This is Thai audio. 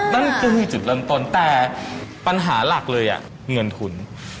นั่นก็คือจุดเริ่มต้นแต่ปัญหาหลักเลยเงินทุน